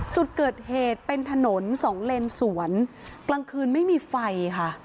จุดเกิดเหตุเป็นถนนสองเลนสวนกลางคืนไม่มีไฟค่ะ